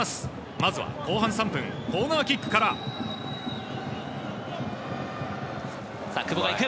まずは後半３分、コーナーキックさあ、久保が行く。